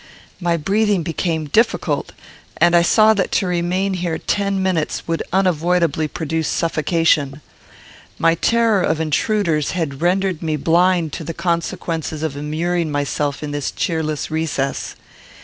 My breathing became difficult, and I saw that to remain here ten minutes would unavoidably produce suffocation. My terror of intruders had rendered me blind to the consequences of immuring myself in this cheerless recess.